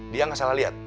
dia nggak salah lihat